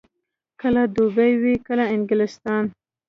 کله دوبۍ وي، کله انګلستان.